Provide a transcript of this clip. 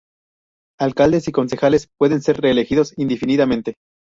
Alcaldes y concejales pueden ser reelegidos indefinidamente.